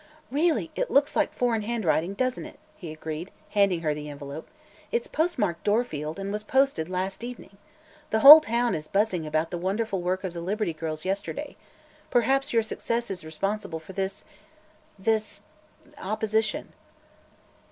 "Really, it looks like foreign handwriting; doesn't it?" he agreed, handing her the envelope. "It is postmarked 'Dorfield' and was posted last evening. The whole town is buzzing about the wonderful work of the Liberty Girls yesterday. Perhaps your success is responsible for this this opposition."